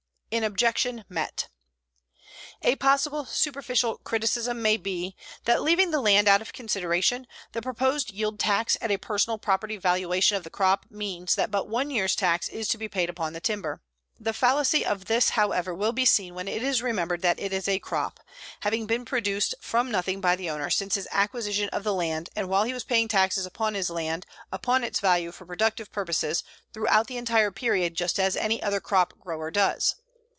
AN OBJECTION MET A possible superficial criticism may be that, leaving the land out of consideration, the proposed yield tax at a personal property valuation of the crop means that but one year's tax is to be paid upon the timber. The fallacy of this, however, will be seen when it is remembered that it is a crop, having been produced from nothing by the owner, since his acquisition of the land and while he was paying taxes upon his land upon its value for productive purposes throughout the entire period just as any other crop grower loes.